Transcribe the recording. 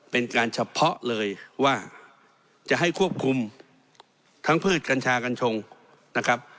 เป็นการเฉพาะเลยว่าจะให้ควบคุมทั้งพืชกัญชากัญชงนะครับ